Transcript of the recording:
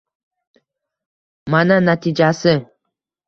Mana — natijasi!